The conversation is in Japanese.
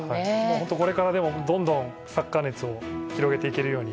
本当、でもこれからどんどんサッカー熱を広げていけるように。